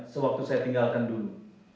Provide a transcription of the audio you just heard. sewaktu saya tinggalkan dulu